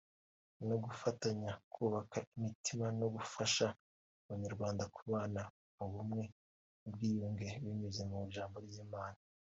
no gufatanya kubaka imitima no gufasha abanyarwanda kubana mu bumwe n’ubwiyunge binyuze mu ijambo ry’Imana